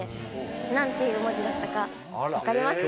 何ていう文字だったか分かりますか？